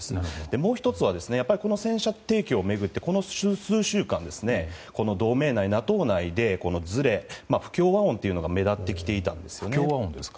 もう１つはこの戦車提供を巡ってこの数週間同盟内、ＮＡＴＯ内でずれ不協和音が目立ってきていたんですね。